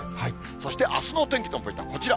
そして、あすのお天気のポイントはこちら。